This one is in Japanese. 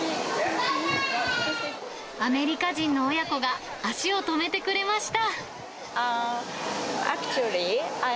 アメリカ人の親子が足を止めてくれました。